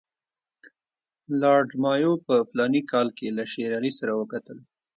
لارډ مایو په فلاني کال کې له شېر علي سره وکتل.